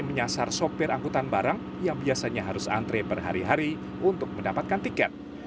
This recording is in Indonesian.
menyasar sopir anggota barang yang biasanya harus antre per hari hari untuk mendapatkan tiket